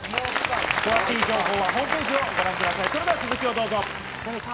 詳しい商品情報はホームページをご覧ください。